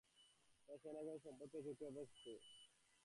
হ্যাঁ, সে নাকি অনেক সম্পদ পেয়েছে উত্তরাধিকারসূত্রে।